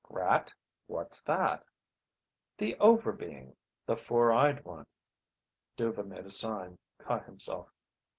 "Grat? What's that?" "The Over Being. The Four eyed One." Dhuva made a sign, caught himself.